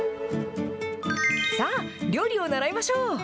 さあ、料理を習いましょう。